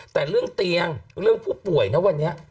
แต่เรื่องเตียงเรื่องผู้ป่วยนะวันนี้